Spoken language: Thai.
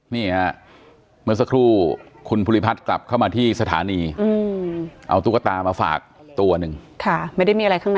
มีเนี่ยเหมือนสักครู่คุณพุริพัฒน์กลับเข้ามาที่สถานีเอาตุ๊กตามาฝากตัวหนึ่งค่ะไม่ได้